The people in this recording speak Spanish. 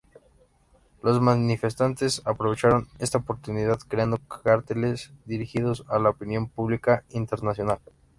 Los manifestantes aprovecharon esta oportunidad, creando carteles dirigidos a la opinión pública internacional.